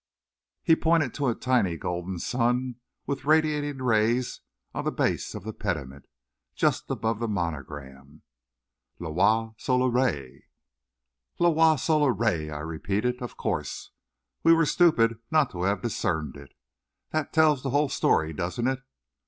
He pointed to a tiny golden sun with radiating rays on the base of the pediment, just above the monogram. "Le roi soleil!" "_ Le roi soleil!_" I repeated. "Of course. We were stupid not to have discerned it. That tells the whole story, doesn't it?